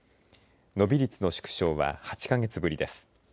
伸び率の縮小は８か月ぶりです。